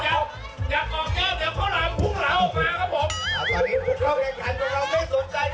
อยากออกแย่เดี๋ยวข้าวหลามพวกเรามาครับผม